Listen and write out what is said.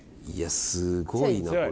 いやすごいな。